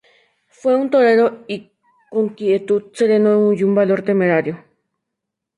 Fue un torero con quietud, sereno y un valor temerario.